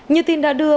như tin đã đưa